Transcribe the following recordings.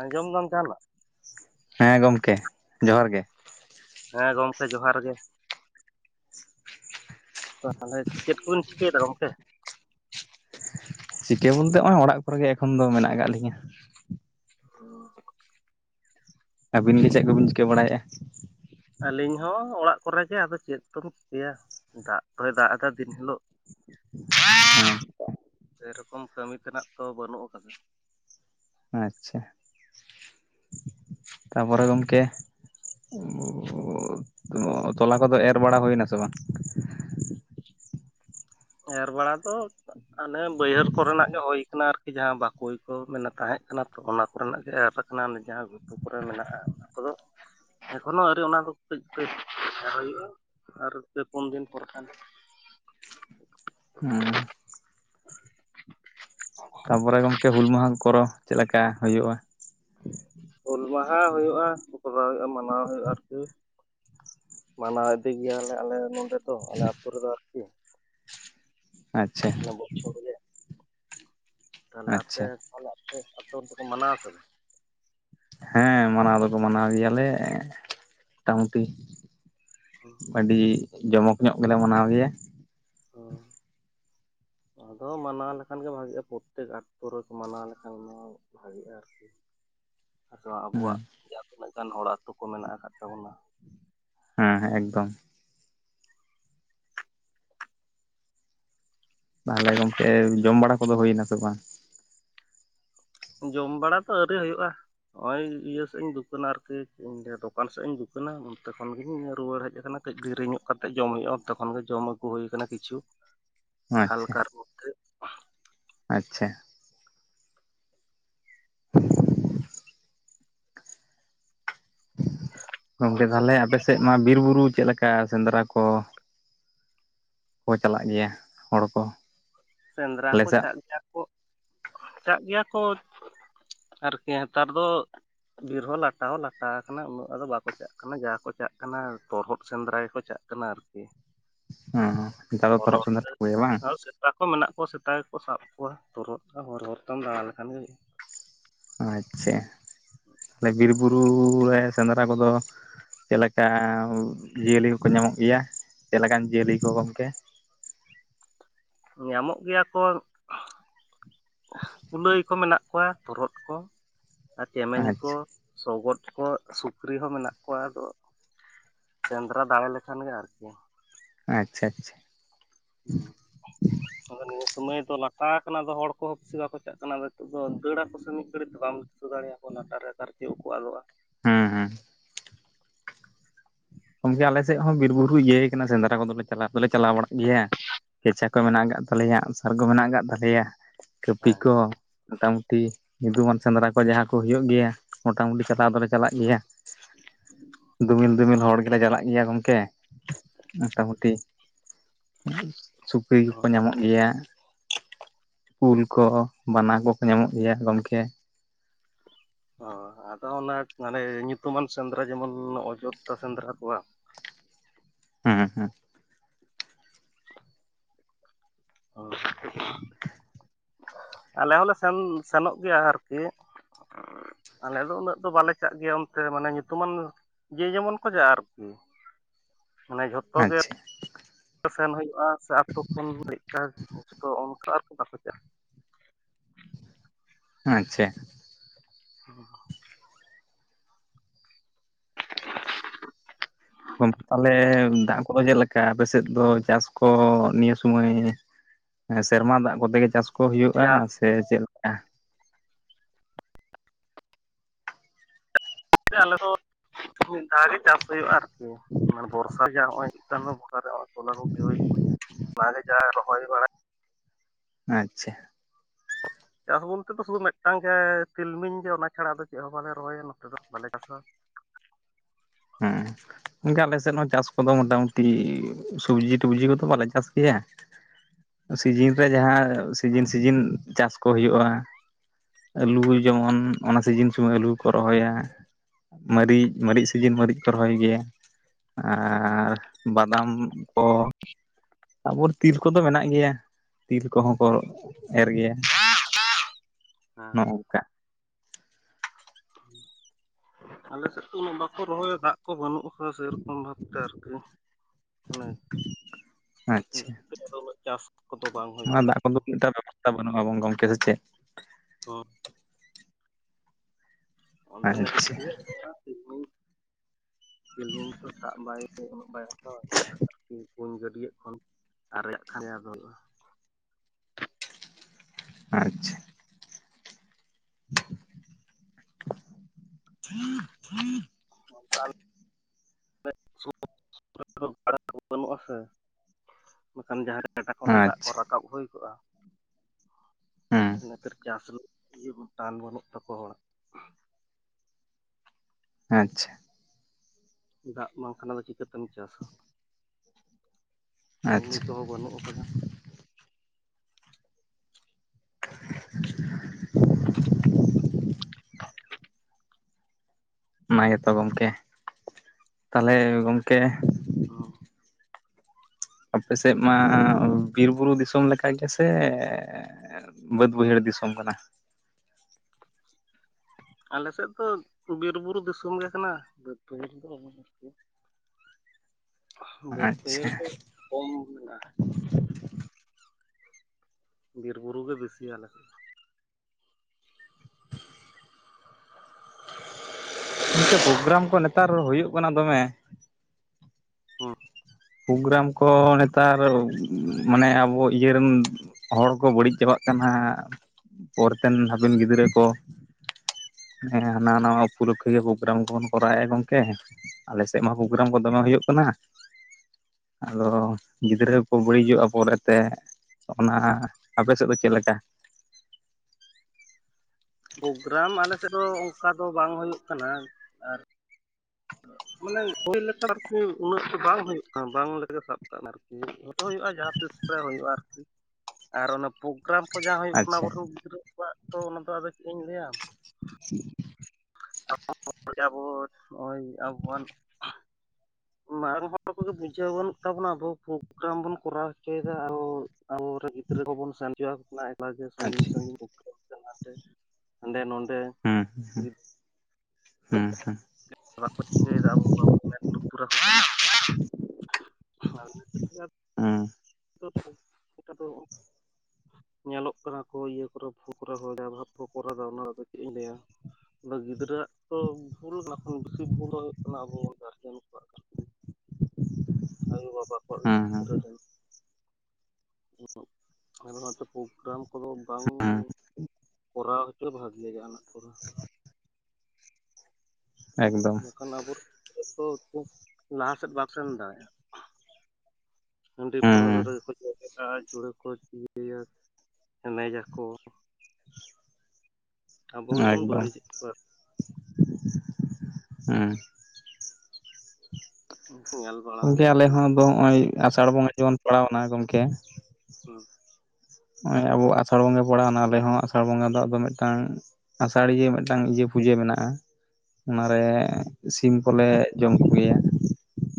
ᱟᱸᱡᱚᱢ ᱫᱟᱢ ᱡᱟᱦᱟᱱᱟᱜ ᱦᱮᱸ ᱜᱚᱢᱠᱮ ᱡᱚᱦᱟᱨ ᱜᱮ ᱦᱮᱸ ᱜᱚᱢᱠᱮ ᱡᱚᱦᱟᱨ ᱜᱮ, ᱛᱟᱦᱚᱞᱮ ᱪᱮᱫ? ᱠᱚᱵᱤᱱ ᱪᱤᱠᱟᱹᱭᱮᱫᱟ ᱜᱚᱢᱠᱮ ᱾ ᱪᱤᱠᱟᱹ ᱵᱚᱞᱛᱮ, ᱱᱚᱜ-ᱚᱭ ᱚᱲᱟᱜ ᱠᱚᱨᱮ ᱜᱮ ᱮᱠᱷᱚᱱ ᱫᱚ ᱢᱮᱱᱟᱜ ᱟᱠᱟᱫ ᱞᱤᱧᱟᱹ ᱾ [inaudible] ᱟᱹᱵᱤᱱ ᱜᱮ ᱪᱮᱫ ᱠᱚᱵᱤᱱ ᱪᱤᱠᱟᱹ ᱵᱟᱲᱟᱭᱮᱜᱼᱟ? ᱟᱹᱞᱤᱧ ᱦᱚᱸ ᱚᱲᱟᱜ ᱠᱚᱨᱮ ᱜᱮ, ᱟᱫᱚ ᱪᱮᱫ ᱠᱚᱢ ᱪᱤᱠᱟᱹᱭᱟ, ᱫᱟᱜ ᱛᱚᱭ ᱫᱟᱜ ᱮᱫᱟ ᱫᱤᱱ ᱦᱤᱞᱚᱜ ᱾ [inaudible] ᱦᱮᱸ, ᱥᱮ ᱨᱚᱠᱚᱢ, ᱠᱟᱹᱢᱤ ᱛᱮᱱᱟᱜ ᱛᱚ ᱵᱟᱹᱱᱩᱜ ᱟᱠᱟᱫᱼᱟ ᱾ ᱟᱪᱪᱷᱟ, ᱛᱟᱯᱚᱨᱮ ᱜᱚᱝᱠᱮ ᱚᱻᱻ ᱛᱚᱞᱟ ᱠᱚᱫᱚ ᱮᱨ ᱵᱟᱲᱟ ᱦᱩᱭ ᱮᱱᱟ ᱥᱮ ᱵᱟᱝ? ᱮᱨ ᱵᱟᱲᱟ ᱫᱚ ᱚᱱᱮ, ᱵᱟᱹᱭᱦᱟᱹᱲ ᱠᱚᱨᱮᱱᱟᱜ ᱜᱮ ᱦᱩᱭ ᱠᱟᱱᱟ ᱾ ᱡᱟᱦᱟᱸ ᱵᱟᱠᱚᱭ ᱠᱚ ᱢᱮᱱᱟᱜ ᱛᱟᱦᱮᱸᱫ ᱠᱟᱱᱟ ᱛᱚ ᱚᱱᱟ ᱠᱚᱨᱮᱱᱟᱜ ᱜᱮ ᱮᱨ ᱟᱠᱟᱱᱟ ᱡᱟᱦᱟᱸ ᱜᱷᱩᱴᱩ ᱠᱚᱨᱮ ᱢᱮᱱᱟᱜᱼᱟ ᱾ ᱠᱚ ᱫᱚᱜ ᱮᱠᱷᱚᱱᱳ ᱟᱹᱣᱨᱤ, ᱚᱱᱟ ᱫᱚ ᱠᱟᱹᱡ ᱠᱟᱹᱡ ᱮᱨ ᱦᱩᱭᱩᱜᱼᱟ, ᱟᱨ ᱯᱮ ᱯᱩᱱ ᱫᱤᱱ ᱯᱚᱨ ᱠᱷᱟᱱ ᱜᱮ ᱾ ᱦᱩᱸᱻ, ᱛᱟᱯᱚᱨᱮ ᱜᱚᱢᱠᱮ ᱦᱩᱞ ᱢᱟᱦᱟ ᱠᱚᱨᱚ ᱪᱮᱫ ᱞᱮᱠᱟ ᱦᱩᱭᱩᱜᱼᱟ? ᱦᱩᱞ ᱢᱟᱦᱟ ᱦᱩᱭᱩᱜᱼᱟ, [unintelligible] ᱠᱚᱨᱟᱣ ᱦᱩᱭᱩᱜᱼᱟ ᱢᱟᱱᱟᱣ ᱦᱩᱭᱩᱜᱼᱟ ᱟᱨᱠᱤ ᱢᱟᱱᱟᱣ ᱤᱫᱤ ᱜᱮᱭᱟᱞᱮ, ᱟᱞᱮ ᱱᱚᱸᱰᱮ ᱫᱚ, ᱟᱞᱮ ᱟᱹᱛᱩ ᱨᱮᱫᱚ ᱟᱨᱠᱤ ᱟᱪᱪᱷᱟ ᱟᱞᱮ ᱵᱚᱜᱪᱷᱚᱫᱽ [unintelligible] ᱜᱮ ᱾ ᱛᱟᱦᱚᱞᱮ ᱟᱪᱪᱷᱟ ᱟᱯᱮ, ᱛᱟᱦᱚᱞᱮ ᱟᱯᱮ ᱟᱹᱛᱩ ᱨᱮ ᱫᱚ ᱠᱚ, ᱢᱟᱱᱟᱣᱟ ᱥᱮ ᱵᱟᱝ? ᱦᱮᱸ ᱢᱟᱱᱟᱣ ᱫᱚᱠᱚ, ᱢᱟᱱᱟᱣ ᱜᱮᱭᱟᱞᱮ, ᱢᱚᱴᱟᱢᱩᱴᱤ ᱾ ᱦᱮᱸ [inaudible] ᱟᱹᱰᱤ ᱡᱚᱢᱚᱠ ᱧᱚᱜ ᱜᱮᱞᱮ ᱢᱟᱱᱟᱣ ᱜᱮᱭᱟ [unintelligible] [inaudible] ᱟᱫᱚ ᱢᱟᱱᱟᱣ ᱞᱮᱠᱷᱟᱱ ᱜᱮ ᱵᱷᱟᱜᱤᱜᱼᱟ ᱾ ᱯᱨᱚᱛᱛᱮᱠ ᱟᱛᱳ ᱨᱮᱠᱚ ᱢᱟᱱᱟᱣ ᱞᱮᱠᱷᱟᱱ, ᱱᱟᱣᱟ ᱾ ᱵᱷᱟᱜᱤᱜᱼᱟ ᱾ ᱟᱨᱠᱤ [unintelligible] ᱟᱫᱚ ᱦᱮᱸ ᱟᱵᱚᱣᱟᱜ ᱡᱟᱦᱟᱸ ᱛᱤᱱᱟᱹᱜ ᱜᱟᱱ ᱦᱚᱲ ᱟᱹᱛᱩ ᱠᱚ ᱢᱮᱱᱟᱜ ᱟᱠᱟᱫ ᱛᱟᱵᱚᱱᱟᱼᱼ ᱦᱮᱸ ᱮᱠᱫᱚᱢ ᱛᱟᱦᱚᱞᱮ ᱜᱚᱝᱠᱮ ᱡᱚᱢ ᱵᱟᱲᱟ ᱠᱚᱫᱚ ᱦᱩᱭᱱᱟ ᱥᱮ ᱵᱟᱝ? ᱡᱚᱢ ᱵᱟᱲᱟ ᱛᱚ ᱟᱹᱣᱨᱤ ᱦᱩᱭᱩᱜᱼᱟ᱾ ᱱᱚᱜᱼᱚᱭ ᱤᱭᱟᱹ ᱥᱮᱫ ᱤᱧ ᱫᱩᱠᱟᱹᱱᱟ ᱟᱨᱠᱤ ᱤᱧ ᱫᱚᱠᱟᱱ ᱥᱮᱫ ᱤᱧ ᱫᱩᱠᱟᱹᱱᱟ ᱚᱱᱛᱮ ᱠᱷᱚᱱᱜᱤᱧ ᱨᱩᱣᱟᱹᱲ ᱦᱮᱡ ᱟᱠᱟᱱᱟ ᱠᱟᱹᱡ ᱰᱮᱨᱤ ᱧᱚᱜ ᱠᱟᱛᱮᱫ ᱡᱚᱢ ᱦᱩᱭᱩᱜᱼᱟ ᱚᱱᱛᱮᱠᱷᱚᱱ ᱜᱮ ᱡᱚᱢ ᱟᱹᱜᱩ ᱦᱩᱭ ᱟᱠᱟᱱᱟ ᱠᱤᱪᱷᱩ, [unintelligible] ᱦᱟᱞᱠᱟᱨ ᱢᱚᱫᱽᱫᱷᱮ ᱟᱪᱪᱷᱟ [unintelligible] ᱜᱚᱢᱠᱮ ᱛᱟᱦᱞᱮ ᱟᱯᱮ ᱥᱮᱫ ᱢᱟ ᱵᱤᱨᱼᱵᱩᱨᱩ ᱪᱮᱫ ᱞᱮᱠᱟ ᱥᱮᱸᱫᱽᱨᱟ ᱠᱚ? ᱠᱚ ᱪᱟᱞᱟᱜ ᱜᱮᱭᱟ ᱦᱚᱲ ᱠᱚ? ᱥᱮᱸᱫᱽᱨᱟ ᱟᱞᱮ ᱠᱚ ᱥᱮᱫ ᱪᱟᱜ ᱜᱮᱭᱟ ᱠᱚ ᱪᱟᱜ ᱜᱮᱭᱟ ᱠᱚ ᱟᱨᱠᱤ ᱱᱮᱛᱟᱨ ᱫᱚ ᱵᱤᱨ ᱦᱚᱸ ᱞᱟᱴᱟ ᱦᱚᱸ ᱞᱟᱴᱟ ᱟᱠᱟᱱᱟ ᱩᱱᱟᱹᱜ ᱟᱫᱚ ᱵᱟᱠᱚ ᱪᱟᱜ ᱠᱟᱱᱟ ᱡᱟ ᱠᱚ ᱪᱟᱜ ᱠᱟᱱᱟ ᱛᱚᱨᱦᱚᱫ ᱥᱮᱸᱫᱽᱨᱟ ᱜᱮᱠᱚ ᱪᱟᱜ ᱠᱟᱱᱟ᱾ ᱠᱟᱱᱟ ᱟᱨᱠᱤ ᱦᱩᱸ ᱦᱩᱸ ᱱᱮᱛᱟᱨ ᱫᱚ ᱛᱚᱨᱚᱫ ᱛᱚᱨᱦᱚᱫ ᱠᱚ [unintelligible] ᱜᱮᱭᱟ ᱵᱟᱝ ᱟᱨ ᱥᱮᱛᱟ ᱠᱚ ᱢᱮᱱᱟᱜ ᱠᱚᱣᱟ ᱥᱮᱛᱟ ᱜᱮᱠᱚ ᱥᱟᱵ ᱠᱚᱣᱟ ᱛᱚᱨᱚᱫ ᱦᱚᱨ ᱦᱚᱨᱛᱮᱢ ᱫᱟᱬᱟ ᱞᱮᱠᱷᱟᱱ ᱜᱮ ᱦᱩᱭᱩᱜᱼᱟ᱾ ᱟᱪᱪᱷᱟ ᱛᱟᱦᱚᱞᱮ ᱵᱤᱨ ᱵᱩᱨᱩ ᱨᱮ ᱥᱮᱸᱫᱽᱨᱟ ᱠᱚᱫᱚ ᱪᱮᱫᱞᱮᱠᱟ ᱡᱤᱭᱟᱹᱞᱤ ᱠᱚᱠᱚ ᱧᱟᱢᱚᱜ ᱜᱮᱭᱟ ᱪᱮᱫᱞᱮᱠᱟᱱ ᱡᱤᱭᱟᱹᱞᱤ ᱠᱚ ᱜᱚᱝᱠᱮ? ᱧᱟᱢᱚᱜ ᱜᱮᱭᱟ ᱠᱚ ᱠᱩᱞᱟᱹᱭ ᱠᱚ ᱢᱮᱱᱟᱜᱼ ᱠᱚᱣᱟ ᱛᱚᱨᱚᱫ ᱠᱚ ᱟᱨ ᱪᱮᱢᱮᱧ ᱠᱚ, ᱟᱪᱪᱷᱟ ᱥᱚᱜᱚᱫ ᱠᱚ ᱥᱩᱠᱨᱤ ᱦᱚᱸ ᱢᱮᱱᱟᱜ ᱠᱚᱣᱟ ᱟᱫᱚ ᱥᱮᱸᱫᱽᱨᱟ ᱫᱟᱲᱮ ᱞᱮᱠᱷᱟᱱ ᱜᱮ ᱟᱨᱠᱤ, ᱟᱪᱪᱷᱟ ᱟᱪᱪᱷᱟ [unintelligible] ᱟᱫᱚ ᱱᱤᱭᱟᱹ ᱥᱩᱚᱢᱚᱭ ᱫᱚ ᱞᱟᱴᱟ ᱟᱠᱟᱱᱟᱫᱚ ᱦᱚᱲ ᱠᱚᱦᱚᱸ ᱵᱤᱥᱤ ᱵᱟᱠᱚ ᱪᱟᱜ ᱠᱟᱱᱟ ᱱᱤᱛᱚᱜ ᱫᱚ ᱫᱟᱹᱲᱟᱠᱚ ᱥᱮ ᱢᱤᱫ ᱜᱷᱟᱹᱲᱤᱡ ᱫᱚ ᱵᱟᱢ ᱦᱟᱹᱥᱩ ᱫᱟᱲᱮᱭᱟᱠᱚ ᱴᱟᱨ ᱨᱮ ᱠᱟᱨᱠᱮ ᱩᱠᱩ ᱟᱫᱚᱜᱼᱟ ᱦᱮᱸ ᱦᱮᱸ [unintelligible] ᱜᱚᱢᱠᱮ ᱟᱞᱮᱥᱮᱜ ᱦᱚᱸ ᱵᱤᱨ ᱵᱩᱨᱩ ᱤᱭᱟᱹᱭ ᱠᱟᱱᱟ ᱥᱮᱸᱫᱽᱨᱟ ᱠᱚᱫᱚ ᱞᱮ ᱪᱟᱞᱟ ᱫᱚᱞᱮ ᱪᱟᱞᱟ ᱵᱟᱲᱟᱜᱼᱼ ᱜᱮᱭᱟ ᱠᱷᱮᱪᱟ ᱠᱚ ᱦᱮᱸ ᱢᱮᱱᱟᱜ ᱟᱠᱟᱜ ᱛᱟᱞᱮᱭᱟ ᱟᱜ ᱥᱟᱨ ᱠᱚ ᱢᱮᱱᱟᱜ ᱟᱠᱟᱜ ᱛᱟᱞᱮᱭᱟ ᱠᱟᱹᱯᱤ ᱦᱮᱸ ᱠᱚ, ᱢᱚᱴᱟᱢᱩᱴᱤ ᱧᱩᱛᱩᱢᱟᱱ ᱥᱮᱸᱫᱽᱨᱟ ᱠᱚ ᱡᱟᱦᱟᱸ ᱠᱚ ᱦᱳᱭᱳᱜ ᱜᱮᱭᱟ ᱢᱚᱴᱟᱢᱩᱴᱤ ᱪᱟᱞᱟᱣ ᱫᱚᱞᱮ ᱪᱟᱞᱟᱜ ᱜᱮᱭᱟ᱾ ᱫᱚᱢᱮᱞ ᱫᱚᱢᱮᱞ ᱦᱚᱲ ᱜᱮᱞᱮ ᱪᱟᱞᱟᱜ ᱜᱮᱭᱟ ᱜᱚᱝᱠᱮ᱾ ᱢᱳᱴᱟᱢᱩᱴᱤ ᱥᱩᱠᱨᱤ ᱠᱚᱠᱚ ᱦᱮᱸ ᱧᱟᱢᱚᱜ ᱜᱮᱭᱟ, ᱠᱩᱞ ᱠᱚ ᱵᱟᱱᱟ ᱠᱚᱠᱚ ᱧᱟᱢᱚᱜ ᱜᱮᱭᱟ ᱜᱚᱝᱠᱮ᱾ ᱚ ᱟᱫᱚ ᱚᱱᱟ ᱢᱟᱱᱮ ᱧᱩᱛᱩᱢᱟᱱ ᱥᱮᱸᱫᱽᱨᱟ ᱡᱮᱢᱚᱱ ᱚᱡᱳᱫᱽᱫᱷᱟ ᱥᱮᱸᱫᱽᱨᱟ ᱠᱚ ᱵᱟᱝ? ᱦᱩᱸ ᱦᱩᱸ [unintelligible] ᱟᱞᱮ ᱦᱚᱸᱞᱮ ᱥᱮᱱ ᱥᱮᱱᱚᱜ ᱜᱮᱭᱟ ᱟᱨᱠᱤᱼ ᱟᱞᱮ ᱫᱚ ᱩᱱᱟᱹᱜ ᱫᱚ ᱵᱟᱞᱮ ᱪᱟᱜ ᱜᱮᱭᱟ ᱚᱱᱛᱮ ᱢᱟᱱᱮ ᱧᱩᱛᱩᱢᱟᱱ ᱡᱮ ᱡᱮᱢᱚᱱ ᱪᱟᱜ-ᱟ ᱟᱨᱠᱤ ᱢᱟᱱᱮ ᱡᱷᱚᱛᱚ ᱜᱮ ᱟᱪᱪᱷᱟ ᱥᱮᱱ ᱦᱳᱭᱳᱜᱼᱟ, ᱥᱮ ᱟᱹᱛᱩᱳ ᱢᱤᱫᱴᱟᱝ ᱚᱠᱛᱚ ᱚᱱᱠᱟᱜᱼᱟ ᱠᱚ ᱵᱟᱠᱚ ᱪᱟᱜᱼᱟ᱾ ᱟᱪᱪᱷᱟ [unintelligible] ᱜᱚᱢᱠᱮ ᱛᱟᱦᱚᱞᱮ ᱫᱟᱜ ᱠᱚᱫᱚ ᱪᱮᱫ ᱞᱮᱠᱟ ᱟᱯᱮᱥᱮᱫ ᱫᱚ ᱪᱟᱥ ᱠᱚ ᱱᱤᱭᱟᱹ ᱥᱩᱢᱚᱭᱼᱼ ᱥᱮᱨᱢᱟ ᱫᱟᱜ ᱠᱚᱛᱮ ᱜᱮ ᱪᱟᱥ ᱠᱚ ᱦᱩᱭᱩᱜᱼᱟ ᱪᱟᱥ ᱥᱮ ᱪᱮᱫᱼ ᱟᱞᱮ ᱫᱚ ᱢᱤᱫ ᱫᱷᱟᱣ ᱜᱮ ᱪᱟᱥ ᱦᱳᱭᱳᱜᱼᱟ ᱟᱨᱠᱤ ᱢᱟᱱᱮ ᱵᱚᱨᱥᱟ ᱡᱟ ᱦᱚᱜᱼᱚᱭ ᱦᱤᱡᱩᱜ ᱠᱟᱱ ᱫᱚ ᱵᱚᱨᱥᱟ ᱨᱮ ᱛᱚᱱᱟ ᱠᱚ ᱜᱮ ᱦᱩᱭ ‌ᱠᱚᱣᱟ ᱚᱱᱟ ᱜᱮ ᱡᱟᱦᱟ ᱨᱚᱦᱚᱭ ᱵᱟᱲᱟ ᱟᱪᱪᱷᱟ᱾ ᱪᱟᱥ ᱵᱚᱞᱛᱮ ᱫᱚ ᱥᱩᱫᱷᱩ ᱢᱮᱫᱴᱟᱝ ᱜᱮ ᱛᱤᱞᱢᱤᱧ ᱜᱮ ᱚᱱᱟ ᱪᱷᱟᱲᱟ ᱫᱚ ᱪᱮᱫ ᱦᱚᱸ ᱵᱟᱞᱮ ᱨᱚᱦᱚᱭᱟ ᱱᱚᱛᱮ ᱫᱚ ᱵᱟᱞᱮ ᱪᱟᱥᱟ᱾ ᱦᱩᱸ ᱜᱚᱝᱠᱮ ᱟᱞᱮ ᱥᱮᱫ ᱦᱚᱸ ᱪᱟᱥ ᱠᱚᱫᱚ ᱢᱚᱴᱟᱢᱩᱴᱤ ᱥᱚᱵᱡᱤ ᱴᱚᱵᱡᱤ ᱠᱚᱫᱚ ᱵᱟᱞᱮ ᱪᱟᱥ ᱜᱮᱭᱟ᱾ ᱥᱤᱡᱤᱱ ᱨᱮ ᱡᱟᱦᱟᱸ ᱥᱤᱡᱤᱱ ᱦᱮᱸ ᱥᱤᱡᱤᱱ ᱪᱟᱥ ᱠᱚ ᱦᱳᱭᱳᱜ-ᱟ᱾ ᱟᱹᱞᱩ ᱡᱮᱢᱚᱱ ᱚᱱᱟ ᱥᱤᱡᱤᱱ ᱥᱩᱢᱚᱭ ᱟᱹᱞᱩᱠᱚ ᱨᱚᱦᱚᱭᱟ ᱢᱟᱹᱨᱤᱜ ᱢᱟᱹᱨᱤᱪ ᱥᱤᱡᱤᱱ ᱢᱟᱹᱨᱤᱡ ᱠᱚ ᱨᱚᱦᱚᱭ ᱜᱮᱭᱟ ᱟᱨ ᱵᱟᱫᱟᱢ ᱠᱚ᱾ ᱟᱵᱚᱨ ᱛᱤᱞ ᱠᱚᱫᱚ ᱢᱮᱱᱟᱜ ᱜᱮᱭᱟ ᱛᱤᱞ ᱠᱚᱦᱚᱸ ᱠᱚ ᱮᱨ ᱜᱮᱭᱟ᱾ [inaudible] ᱦᱮᱸ ᱱᱚᱜ-ᱚ ᱱᱚᱝᱠᱟ᱾ ᱟᱞᱮ ᱥᱮᱫ ᱫᱚ ᱩᱱᱟᱹᱜ ᱵᱟᱠᱚ ᱨᱚᱦᱚᱭᱟ ᱫᱟᱜ ᱠᱚ ᱵᱟᱹᱱᱩᱜ ᱠᱟ ᱥᱮᱨᱚᱠᱚᱢ ᱵᱷᱟᱵᱛᱮ ᱟᱨᱠᱤ ᱢᱟᱱᱮ ᱚᱱᱟ ᱟᱪᱪᱷᱟ ᱠᱷᱟᱹᱛᱤᱨ ᱟᱫᱚ ᱩᱱᱟᱹᱜ ᱪᱟᱥ ᱠᱚᱫᱚ ᱵᱟᱝ ᱦᱳᱭᱳᱜ-ᱟ ᱟᱨᱠᱤ᱾ ᱛᱟ ᱵᱟᱹᱱᱩᱜᱼᱟ ᱜᱚᱢ ᱜᱚᱢᱠᱮ ᱥᱮ ᱪᱮᱫ? ᱚ ᱚᱸᱰᱮ ᱤᱱᱟᱹ ᱟᱪᱪᱷᱟ ᱠᱷᱟᱹᱛᱤᱨ ᱜᱮ ᱵᱟᱹᱱᱩᱜ-ᱟ᱾ [unintelligible] ᱛᱚ ᱥᱟᱜ ᱵᱟᱭ ᱩᱱᱟᱹᱜ ᱵᱟᱭ ᱦᱟᱛᱟᱣᱟ ᱟᱨᱠᱤᱼᱼ ᱠᱩᱧ ᱜᱟᱹᱰᱭᱟᱹᱜ ᱠᱷᱚᱱ ᱟᱨᱮᱭᱟᱜ ᱠᱷᱟᱱ ᱜᱮ ᱟᱫᱚ ᱦᱩᱭᱩᱜ-ᱟ᱾ ᱟᱪᱪᱷᱟ [inaudible] [unintelligible] ᱵᱟᱹᱱᱩᱜ-ᱟ ᱥᱮ᱾ ᱢᱟᱠᱷᱟᱱ ᱡᱟᱦᱟᱨᱮ ᱮᱴᱟ ᱠᱷᱚᱱ ᱫᱟᱜ ᱠᱚ ᱟᱪᱪᱷᱟ ᱨᱟᱠᱟᱵ ᱦᱩᱭ ᱠᱚᱜ-ᱟ ᱦᱩᱸ ᱚᱱᱟᱹᱛᱤᱨ ᱪᱟᱥ ᱤᱭᱟᱹ ᱵᱟᱹᱱᱩᱜ ᱴᱟᱱ ᱵᱟᱹᱱᱩᱜ ᱛᱟᱠᱚᱣᱟ ᱦᱚᱲᱟᱜ᱾ ᱟᱪᱪᱷᱟ᱾ ᱫᱟᱜ ᱵᱟᱝᱠᱷᱟᱱ ᱟᱫᱚ ᱪᱤᱠᱟᱹᱛᱮᱢ ᱪᱟᱥᱟ᱾ ᱢᱤᱱᱤ ᱟᱪᱪᱷᱟ ᱠᱚᱦᱚᱸ ᱵᱟᱹᱱᱩᱜ ᱠᱟᱫᱟ᱾ ᱚᱱᱟ ᱜᱮᱛᱚ ᱜᱚᱝᱠᱮ ᱛᱟᱦᱚᱞᱮ ᱜᱚᱝᱠᱮ ᱚ ᱟᱯᱮ ᱥᱮᱫ ᱢᱟ ᱵᱤᱨ ᱵᱩᱨᱩ ᱫᱤᱥᱚᱢ ᱞᱮᱠᱟ ᱜᱮ ᱥᱮ ᱵᱟᱹᱫ ᱵᱟᱹᱭᱦᱟᱹᱲ ᱫᱤᱥᱚᱢ ᱠᱟᱱᱟ? ᱟᱞᱮᱥᱮᱫ ᱫᱚ ᱵᱤᱨ ᱵᱩᱨᱩ ᱫᱤᱥᱚᱢ ᱜᱮ ᱠᱟᱱᱟ᱾ ᱵᱟᱹᱫᱽ ᱟᱪᱪᱷᱟ ᱵᱟᱹᱭᱦᱟᱲ ᱫᱚ ᱠᱚᱢ ᱢᱮᱱᱟᱜ-ᱟ᱾ ᱵᱤᱨ ᱵᱩᱨᱩ ᱜᱮ ᱵᱮᱥᱤᱭᱟ ᱟᱞᱮ ᱥᱮᱫ ᱫᱚ᱾ ᱜᱚᱝᱠᱮ ᱯᱨᱳᱜᱨᱟᱢ ᱠᱚ ᱱᱮᱛᱟᱨ ᱦᱩᱭᱩᱜ ᱠᱟᱱᱟ ᱫᱚᱢᱮ ᱦᱩ ᱯᱨᱳᱜᱨᱟᱢ ᱠᱚ ᱱᱮᱛᱟᱨ ᱢᱟᱱᱮ ᱟᱵᱚ ᱤᱭᱹᱨᱮᱱ ᱦᱚᱲ ᱠᱚ ᱵᱟᱹᱲᱤᱡ ᱪᱟᱵᱟᱜ ᱠᱟᱱᱟ ᱯᱚᱨᱮᱛᱮᱱ ᱦᱟᱯᱮᱱ ᱜᱤᱫᱽᱨᱟᱹ ᱠᱚ᱾ ᱦᱮ ᱦᱟᱱᱟ ᱱᱟᱣᱟ ᱩᱯᱚᱞᱚᱠᱠᱷᱮ ᱜᱮ ᱯᱨᱳᱜᱨᱟᱢ ᱠᱚᱵᱚᱱ ᱠᱚᱨᱟᱣᱮᱜ-ᱟ ᱜᱚᱝᱠᱮ ᱟᱞᱮᱥᱮᱫ ᱢᱟ ᱯᱨᱳᱜᱨᱟᱢ ᱠᱚ ᱫᱚᱢᱮ ᱦᱩᱭᱩᱜ ᱠᱟᱱᱟ᱾ ᱟᱫᱚ ᱜᱤᱫᱽᱨᱟᱹ ᱠᱚ ᱵᱟᱹᱲᱤᱡᱚᱜ-ᱟ ᱯᱚᱨᱮᱛᱮ ᱚᱱᱟ ᱟᱯᱮ ᱥᱮᱫ ᱫᱚ ᱪᱮᱫ ᱞᱮᱠᱟ? ᱯᱨᱳᱜᱨᱟᱢ ᱟᱞᱮᱥᱮᱫ ᱫᱚ ᱚᱱᱠᱟ ᱫᱚ ᱵᱟᱝ ᱦᱩᱭᱩᱜ ᱠᱟᱱᱟ ᱟᱨ ᱢᱟᱱᱮ ᱳᱭ ᱞᱮᱠᱟ ᱟᱨᱠᱤ ᱩᱱᱟᱹᱜ ᱫᱚ ᱵᱟᱝ ᱦᱩᱭᱩᱜ ᱠᱟᱱᱟ ᱵᱟᱝ ᱞᱮᱠᱟ ᱜᱮ ᱥᱟᱵ ᱠᱟᱜ ᱢᱮ ᱟᱨᱠᱤ᱾ ᱦᱩᱭᱩᱜ ᱫᱚ ᱦᱩᱭᱩᱜ-ᱟ ᱡᱟᱦᱟᱸ ᱛᱤᱥ ᱠᱚᱨᱮ ᱦᱩᱭᱩᱜ-ᱟ ᱟᱨᱠᱤ ᱟᱨ ᱚᱱᱟ ᱯᱨᱳᱜᱨᱟᱢ ᱠᱚ ᱡᱟᱦᱟᱸ ᱦᱩᱭᱩᱜ ᱠᱟᱱᱟ ᱟᱪᱪᱷᱟ ᱟᱵᱚᱨᱮᱱ ᱜᱤᱫᱽᱨᱟᱹ ᱠᱚᱣᱟᱜ ᱛᱚ ᱚᱱᱟᱫᱚ ᱟᱫᱚ ᱪᱮᱫ ᱤᱧ ᱞᱟᱹᱭᱟ᱾ [inaudible] ᱟᱵᱚᱣᱟᱜ ᱵᱟᱝ ᱦᱚᱸᱛᱚ ᱟᱵᱚᱜᱮ ᱵᱩᱡᱷᱟᱹᱣ ᱵᱟᱱᱩᱜ ᱛᱟᱵᱚᱱᱟ ᱟᱵᱚ ᱯᱨᱳᱜᱨᱟᱢ ᱵᱚᱱ ᱠᱚᱨᱟᱣ ᱦᱚᱪᱚᱭᱮᱫᱟ ᱟᱵᱚᱮᱱ ᱜᱤᱫᱽᱨᱟᱹ ᱠᱚᱵᱚᱱ ᱥᱮᱱ ᱦᱚᱪᱚᱣᱟᱠᱚ ᱮᱠᱞᱟ ᱮᱠᱞᱟ ᱜᱮ ᱥᱟᱺᱜᱤᱧ ᱟᱪᱪᱷᱟ ᱥᱟᱺᱜᱤᱧ [unintelligible] ᱦᱟᱸᱰᱮ ᱱᱚᱰᱮ ᱦᱩᱸ ᱦᱩ ᱦᱩ ᱜᱤᱫᱽ ᱦᱩᱸ, ᱦᱩ ᱵᱟᱠᱚ ᱪᱤᱠᱟᱹᱭᱮᱫᱟ ᱟᱵᱚ ᱵᱟᱵᱚᱱ ᱢᱮᱫ ᱞᱩᱨᱟᱹ [inaudible] ᱦᱩᱸ [unintelligible] ᱧᱮᱞᱚᱜ ᱠᱟᱱᱟ ᱠᱚ ᱤᱭᱟᱹ ᱠᱚᱨᱮ ᱯᱷᱩ ᱠᱚᱨᱮ ᱡᱟᱸᱦᱟ ᱵᱷᱟᱯ ᱠᱚ ᱠᱚᱨᱟᱣ ᱫᱟ ᱚᱱᱟᱨᱮᱫᱚ ᱪᱮᱫ ᱤᱧ ᱞᱟᱹᱭᱟ? ᱟᱫᱚ ᱜᱤᱫᱽᱨᱟᱹᱜ ᱛᱚ ᱵᱷᱩᱞ ᱠᱟᱱᱟ ᱵᱮᱥᱤ ᱵᱷᱩᱞ ᱫᱚ ᱦᱩᱭᱩᱜ ᱠᱟᱱᱟ ᱟᱵᱚ ᱜᱟᱨᱡᱮᱱ ᱠᱚᱣᱟᱜ ᱟᱨᱠᱤ [inaudible] [unintelligible] ᱦᱩᱸ ᱜᱤᱫᱽᱨᱟᱹ ᱨᱤᱱ ᱩᱱᱟᱹᱜ ᱡᱷᱟᱢᱮᱞᱟ [unintelligible] ᱜᱨᱟᱢ ᱠᱚᱫᱚ ᱵᱟᱝ ᱠᱚᱨᱟᱣ ᱦᱚᱪᱚ ᱵᱷᱟᱜᱮᱭᱟ ᱡᱟᱦᱟᱱᱟᱜ ᱠᱚᱨᱮ ᱮᱠᱫᱚᱢ ᱵᱟᱠᱷᱟᱱ ᱟᱵᱚᱨᱮᱱ ᱜᱤᱫᱽᱨᱟᱹ ᱠᱚ ᱫᱚ ᱞᱟᱦᱟ ᱥᱮᱫ ᱵᱟᱠᱚ ᱥᱮᱱ ᱫᱟᱲᱮᱭᱟᱜᱼᱟ᱾ ᱦᱟᱺᱰᱤ ᱦᱩᱸ ᱯᱟᱹᱣᱨᱟᱹ ᱨᱮᱜᱮ ᱠᱚ ᱡᱚᱵᱮᱜ ᱠᱟᱜᱼᱟ ᱡᱩᱲᱮ ᱠᱚ ᱤᱭᱟᱹᱭᱟ ᱮᱱᱮᱡᱟᱠᱚ ᱟᱵᱚ ᱜᱮᱵᱚᱱ ᱮᱠᱫᱚᱢ ᱵᱟᱹᱲᱤᱡᱮᱜ ᱠᱚᱣᱟ ᱟᱨ ᱦᱮᱸ [unintelligible] ᱜᱚᱝᱠᱮ ᱟᱞᱮ ᱠᱟᱱᱟ ᱦᱚᱸ ᱛᱚ ᱟᱫᱚ ᱱᱚᱜᱼᱚᱭ ᱟᱥᱟᱲ ᱵᱚᱸᱜᱟ ᱡᱮᱢᱚᱱ ᱯᱟᱲᱟᱣᱱᱟ ᱜᱚᱝᱠᱮ ᱦᱩᱸ ᱱᱚᱜᱼᱚᱭ ᱟᱵᱚ ᱟᱥᱟᱲ ᱵᱚᱸᱜᱟ ᱯᱟᱲᱟᱣᱮᱱᱟ ᱟᱞᱮ ᱦᱚᱸ ᱟᱥᱟᱲ ᱵᱚᱸᱜᱟ ᱫᱚ ᱟᱫᱚ ᱢᱤᱫᱴᱟᱝ ᱟᱥᱟᱲᱤᱭᱟᱹ ᱢᱤᱫᱴᱟᱝ ᱤᱭᱟᱹ ᱯᱩᱡᱟᱹ ᱢᱮᱱᱟᱜᱼᱟ ᱚᱱᱟᱨᱮ ᱦᱩᱸ ᱥᱤᱢ ᱠᱚᱞᱮ ᱡᱚᱢ ᱠᱚᱜᱮᱭᱟ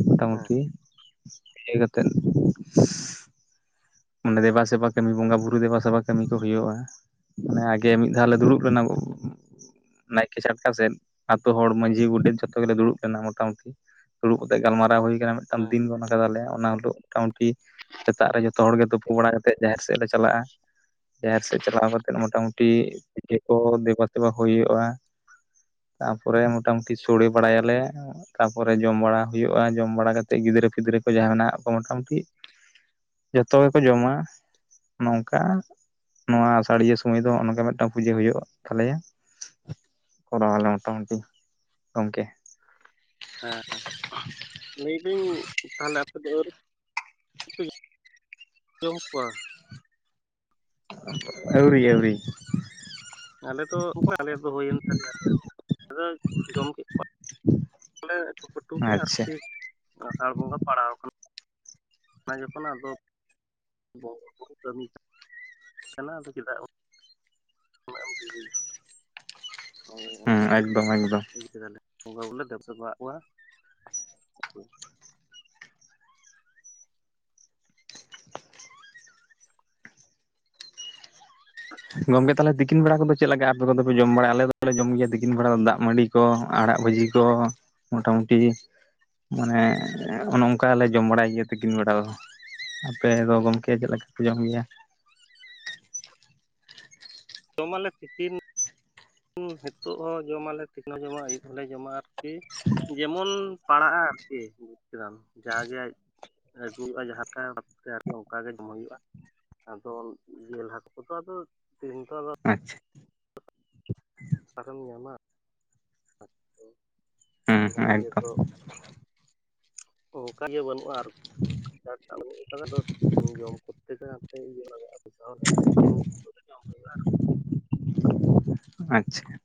ᱢᱚᱴᱟ ᱦᱮᱸ ᱢᱩᱴᱤ ᱤᱭᱟᱹ ᱠᱟᱛᱮᱫ ᱚᱱᱰᱮ ᱫᱮᱵᱟᱼ ᱥᱮᱵᱟ ᱠᱟᱢᱤ ᱵᱚᱸᱜᱟ ᱵᱩᱨᱩ ᱫᱮᱵᱟ ᱥᱮᱵᱟ ᱠᱟᱹᱢᱤ ᱠᱚ ᱦᱩᱭᱩᱜᱼᱟ᱾ ᱢᱟᱱᱮ ᱟᱜᱮ ᱢᱤᱫ ᱫᱷᱟᱣ ᱞᱮ ᱫᱩᱲᱩᱵ ᱞᱮᱱᱟ ᱱᱟᱭᱠᱮ ᱪᱷᱟᱴᱠᱟ ᱥᱮᱫ ᱟᱛᱳ ᱦᱚᱲ ᱢᱟᱺᱡᱷᱤ ᱜᱚᱰᱮᱛ ᱡᱷᱚᱛᱚ ᱜᱮᱞᱮ ᱫᱩᱲᱩᱵ ᱞᱮᱱᱟ ᱢᱚᱴᱟ ᱢᱩᱴᱤ ᱫᱩᱲᱩᱵ ᱠᱟᱛᱮᱜ ᱜᱟᱞᱢᱟᱨᱟᱣ ᱦᱩᱭ ᱠᱟᱱᱟ ᱢᱤᱫᱴᱟᱝ ᱦᱮᱸ ᱫᱤᱱ ᱜᱚᱱ ᱠᱟᱫᱟᱞᱮ ᱚᱱᱟ ᱦᱚᱞᱳᱜ ᱢᱚᱴᱟ ᱢᱩᱴᱤ ᱥᱮᱛᱟᱜ ᱨᱮ ᱡᱚ ᱡᱚᱛᱚ ᱦᱚᱲ ᱜᱮ ᱛᱩᱯᱩ ᱵᱟᱲᱟ ᱠᱟᱛᱮᱫ ᱡᱟᱦᱮᱨ ᱥᱮᱫ ᱞᱮ ᱪᱟᱞᱟᱜᱼᱟ᱾ ᱡᱟᱦᱮᱨ ᱥᱮᱫ ᱪᱟᱞᱟᱣ ᱠᱟᱛᱮᱜ ᱢᱚᱴᱟ ᱢᱩᱴᱤ ᱫᱮ ᱠᱚ ᱫᱮᱵᱟ ᱥᱮᱵᱟ ᱦᱳᱭᱩᱜᱼᱟ᱾ ᱛᱟᱯᱚᱨᱮ ᱢᱚᱴᱟ ᱢᱩᱴᱤ ᱥᱚᱲᱮ ᱵᱟᱲᱟᱭᱟᱞᱮ ᱛᱟᱯᱚᱨᱮ ᱡᱚᱢ ᱵᱟᱲᱟ ᱦᱩᱭᱩᱜᱼᱟ ᱡᱚᱢ ᱵᱟᱲᱟ ᱠᱟᱛᱮᱜ ᱜᱤᱫᱽᱨᱟᱹ ᱯᱤᱫᱽᱨᱟᱹ ᱠᱚ ᱡᱟᱦᱟᱸᱱᱟᱜ ᱠᱚ ᱢᱚᱴᱟ ᱢᱩᱴᱤ ᱡᱚᱛᱚ ᱜᱮᱠᱚ ᱡᱚᱢᱟ ᱱᱚᱝᱠᱟ ᱱᱚᱣᱟ ᱥᱟᱲᱤᱭᱟᱹ ᱥᱩᱢᱟᱹᱭ ᱫᱚ ᱱᱚᱜ ᱱᱚᱝᱠᱟ ᱢᱤᱫᱴᱟᱝ ᱯᱩᱡᱟᱹ ᱦᱩᱭᱩᱜ ᱛᱟᱞᱮᱭᱟ᱾ ᱠᱚᱨᱟᱣᱟᱞᱮ ᱢᱚᱴᱟ ᱢᱩᱴᱤ ᱜᱚᱝᱠᱮ ᱦᱮᱸ ᱞᱟᱹᱭᱫᱟᱹᱧ ᱛᱟᱦᱚᱞᱮ ᱟᱯᱮᱫᱚ ᱟᱣᱨᱤ ᱯᱮ ᱡᱚᱢ ᱠᱚᱣᱟ ᱟᱹᱣᱨᱤ ᱟᱹᱣᱨᱤ ᱟᱞᱮ ᱫᱚ [unintelligible] ᱟᱞᱮ ᱫᱚ ᱦᱩᱭᱮᱱ ᱛᱟᱞᱮᱭᱟ ᱡᱚᱢ ᱠᱮᱫ ᱠᱚᱣᱟ [inaudible] ᱥᱚᱲᱮ ᱟᱹᱴᱩᱼᱯᱟᱹᱴᱩ ᱜᱮ ᱟᱪᱪᱷᱟ ᱟᱨᱠᱤ ᱟᱥᱟᱲ ᱵᱚᱸᱜᱟ ᱯᱟᱲᱟᱣ ᱟᱠᱟᱱ ᱚᱱᱟ ᱡᱚᱠᱷᱚᱱ ᱟᱫᱚ ᱵᱚᱸᱜᱟ ᱵᱩᱨᱩ ᱠᱟᱹᱢᱤ ᱠᱟᱱ ᱠᱟᱱᱟ ᱟᱫᱚ ᱪᱮᱫᱟᱜ ᱩᱱᱟᱹᱜ ᱮᱢ ᱰᱤᱨᱤᱭᱟ᱾ ᱦᱳᱭ ᱚᱱᱟ ᱦᱮᱸ ᱠᱷᱟᱹᱛᱤᱨ ᱮᱠᱫᱚᱢ ᱮᱠᱫᱚᱢ [unintelligible] ᱵᱚᱸᱜᱟ ᱵᱩᱨᱩ ᱞᱮ ᱫᱮᱵᱟ ᱥᱮᱵᱟ ᱦᱟᱸᱜ ᱠᱚᱣᱟ᱾ ᱜᱚᱝᱠᱮ ᱛᱟᱞᱦᱮ ᱛᱤᱠᱤᱱ ᱵᱮᱲᱟ ᱠᱚᱫᱚ ᱪᱮᱫ ᱞᱮᱠᱟ ᱟᱯᱮ ᱠᱚᱫᱚᱯᱮ ᱡᱚᱢ ᱵᱟᱲᱟᱭᱟ ᱟᱞᱮ ᱫᱚᱞᱮ ᱡᱚᱢ ᱜᱮᱭᱟ ᱛᱤᱠᱤᱱ ᱵᱮᱲᱟ ᱫᱚ ᱫᱟᱜᱽ ᱢᱟᱹᱰᱤ ᱠᱚ ᱟᱲᱟᱜ ᱵᱷᱟᱹᱡᱤ ᱠᱚ ᱢᱚᱴᱟ ᱢᱩᱴᱤ ᱢᱟᱱᱮ ᱚᱱᱮ ᱚᱝᱠᱟ ᱞᱮ ᱡᱚᱢ ᱵᱟᱲᱟᱭ ᱜᱤᱭᱟᱹ ᱛᱤᱠᱤᱱ ᱵᱮᱲᱟ ᱫᱚ ᱟᱯᱮ ᱫᱚ ᱜᱚᱝᱠᱮ ᱪᱮᱫ ᱞᱮᱠᱟ ᱯᱮ ᱡᱚᱢ ᱜᱮᱭᱟ? ᱡᱚᱢᱟᱞᱮ ᱛᱤᱠᱤᱱ ᱦᱤᱛᱚᱜ ᱦᱚᱸ ᱡᱚᱢᱟᱞᱮ ᱛᱤᱠᱤᱱ ᱦᱚᱸ ᱡᱚᱢᱟ ᱟᱹᱭᱩᱵᱽ ᱦᱚᱸᱞᱮ ᱡᱚᱢᱟ ᱟᱨᱠᱤ ᱡᱮᱢᱚᱱ ᱯᱟᱲᱟᱜᱼᱟ ᱟᱨᱠᱤ ᱵᱩᱡᱽ ᱠᱮᱫᱟᱢ ᱡᱟᱜᱮ ᱟᱹᱜᱩᱭ ᱦᱩᱭᱩᱜᱼᱟ ᱡᱟᱦᱟᱸ ᱞᱮᱠᱟ ᱵᱷᱟᱯ ᱛᱮ ᱟᱨᱠᱤ ᱚᱱᱠᱟ ᱜᱮ ᱡᱚᱢ ᱦᱩᱭᱩᱜᱼᱟ᱾ ᱟᱫᱚ ᱡᱤᱞ ᱦᱟᱹᱠᱩ ᱠᱚᱫᱚ ᱟᱫᱚ ᱫᱤᱱ ᱠᱚᱫᱚ ᱟᱪᱪᱷᱟ ᱚᱠᱟᱨᱮᱢ ᱧᱟᱢᱟ᱾ ᱦᱮᱸ ᱚᱱᱟ ᱦᱮᱸ ᱤᱭᱟᱹ ᱮᱠᱫᱚᱢ ᱫᱚ ᱚᱱᱠᱟᱜᱮ ᱵᱟᱹᱱᱩᱜᱼᱟ ᱟᱨᱠᱤ, [inaudible] ᱡᱚᱢ ᱠᱚᱨᱛᱮ ᱫᱚ ᱱᱚᱛᱮ ᱤᱭᱟᱹ [inaudible] ᱟᱪᱪᱷᱟ᱾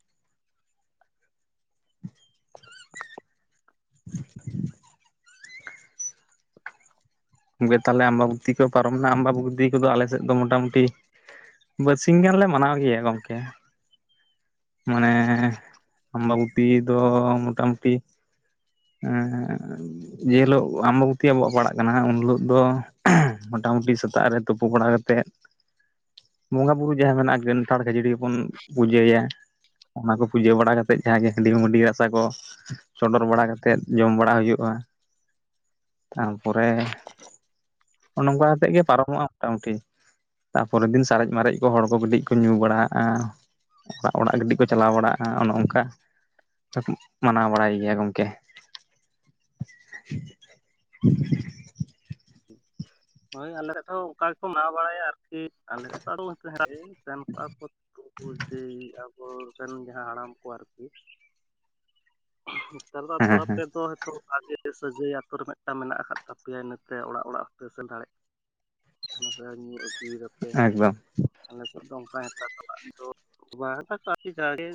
ᱜᱮ ᱛᱟᱦᱚᱞᱮ ᱟᱢᱵᱟ ᱵᱩᱛᱛᱤ ᱠᱚ ᱯᱟᱨᱚᱢᱮᱱᱟ ᱟᱢᱵᱟᱵᱛᱤ ᱠᱚᱫᱚ ᱟᱞᱮᱥᱮᱫ ᱫᱚ ᱢᱚᱴᱟᱢᱩᱴᱤ ᱵᱟᱨᱥᱤᱧ ᱜᱟᱱᱞᱮ ᱢᱟᱱᱟᱣ ᱜᱮᱭᱟ ᱜᱚᱝᱠᱮ᱾ ᱢᱟᱱᱮ ᱟᱢᱵᱟᱵᱩᱛᱤ ᱫᱚ ᱢᱚᱴᱟ ᱢᱩᱩᱴᱤ ᱡᱮᱦᱤᱞᱳᱜ ᱟᱢᱵᱟᱠᱵᱚᱛᱤ ᱟᱵᱚᱣᱟᱜ ᱯᱟᱲᱟᱜ ᱠᱟᱱᱟ ᱩᱱ ᱦᱤᱞᱳᱜ ᱫᱚ ᱢᱚᱴᱟᱢᱩᱴᱤ ᱥᱮᱛᱟᱜ ᱨᱮ ᱛᱩᱯᱩ ᱵᱟᱲᱟ ᱠᱟᱛᱮᱫ, ᱵᱚᱸᱜᱟ ᱵᱩᱨᱩ ᱡᱟᱦᱟᱸ ᱢᱮᱱᱟᱜ ᱜᱟᱱᱴᱷᱟᱲ ᱠᱷᱟᱹᱡᱟᱹᱲᱤ ᱵᱚᱱ ᱯᱩᱡᱟᱹᱭᱟ, ᱚᱱᱟ ᱠᱚ ᱯᱩᱡᱟᱹ ᱵᱟᱲᱟ ᱠᱟᱛᱮᱫ ᱡᱟᱦᱟᱸ ᱜᱮ ᱦᱟᱺᱰᱤ ᱦᱚᱸ ᱢᱟᱹᱰᱤ ᱨᱟᱥᱟ ᱠᱚ, ᱪᱚᱰᱚᱨ ᱵᱟᱲᱟ ᱠᱟᱛᱮᱫ ᱡᱚᱢ ᱵᱟᱲᱟ ᱦᱩᱭᱩᱜᱼᱟ, ᱛᱟᱨᱯᱚᱨᱮ ᱚᱱ ᱚᱝᱠᱟ ᱠᱟᱛᱮᱜ ᱜᱮ ᱯᱟᱨᱚᱢᱚᱜᱼᱟ ᱢᱚᱴᱟᱢᱩᱴᱤ, ᱛᱟᱨᱯᱚᱨᱮᱨ ᱫᱤᱱ ᱥᱟᱨᱮᱡ ᱢᱟᱨᱮᱡ ᱠᱚ ᱦᱚᱲ ᱠᱚ ᱠᱟᱹᱴᱤᱡ ᱠᱚ ᱧᱩ ᱵᱟᱲᱟᱜᱼᱟ᱾ ᱚᱲᱟᱜ ᱚᱲᱟᱜ ᱠᱟᱹᱴᱤᱡ ᱠᱚ ᱪᱟᱞᱟᱣ ᱵᱟᱲᱟᱜᱼᱟ ᱚᱱᱮ ᱚᱱᱠᱟ ᱠᱟᱹᱴᱤᱡ ᱢᱟᱱᱟᱣ ᱵᱟᱲᱟᱭ ᱜᱮᱭᱟ ᱜᱚᱝᱠᱮ᱾ ᱦᱳᱭ ᱟᱞᱮ ᱦᱚᱸ ᱚᱱᱠᱟ ᱜᱮᱠᱚ ᱢᱟᱱᱟᱣ ᱵᱟᱲᱟᱭᱟ ᱟᱨᱠᱤ, [inaudible] ᱟᱵᱚ ᱨᱮᱱ ᱡᱟᱦᱟᱸ ᱦᱟᱲᱟᱢ ᱠᱚ ᱟᱨᱠᱤ ᱱᱮᱛᱟᱨ ᱦᱮᱸ ᱫᱚ ᱦᱮᱸ ᱟᱯᱮ ᱫᱚ ᱦᱳᱭᱛᱚ ᱵᱷᱟᱜᱮ ᱥᱟᱹᱜᱟᱹᱭ ᱟᱛᱳ ᱨᱮ ᱢᱤᱫᱴᱟᱝ ᱢᱮᱱᱟᱜ ᱟᱠᱟᱫ ᱛᱟᱯᱮᱭᱟ ᱤᱱᱟᱹ ᱛᱮ ᱚᱲᱟᱜ ᱚᱲᱟᱜ ᱦᱚᱸᱯᱮ ᱥᱮᱱ ᱫᱟᱲᱮᱭᱟᱜ ᱠᱟᱱᱟ ᱥᱮ ᱧᱩ ᱟᱹᱜᱩᱭᱮᱫᱟᱯᱮ, ᱮᱠᱫᱚᱢ ᱟᱞᱮ ᱥᱮᱫ ᱚᱱᱠᱟ [inaudible] ᱡᱷᱟᱲᱮ